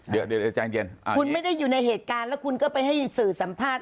คุณไม่ได้อยู่ในเหตุการณ์แล้วคุณก็ไปให้สื่อสัมภาษณ์